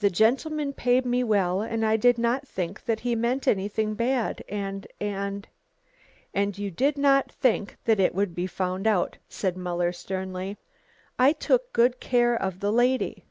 "The gentleman paid me well, and I did not think that he meant anything bad, and and " "And you did not think that it would be found out?" said Muller sternly. "I took good care of the lady."